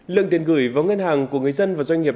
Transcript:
lượng tiền gửi vào ngân hàng của người dân và doanh nghiệp